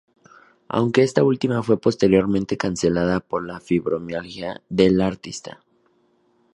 Aunque esta última fue posteriormente cancelada por la fibromialgia de la artista.